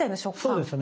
そうですね。